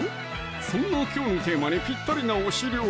そんなきょうのテーマにぴったりな推し料理